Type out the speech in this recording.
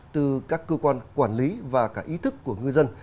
từ các cơ quan quản lý và cả ý thức của ngư dân